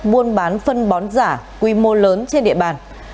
buôn bán phân bón giả quy mô lớn trên địa bàn